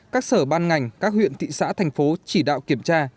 các sở ban ngành các huyện thị xã thành phố chỉ đạo kiểm tra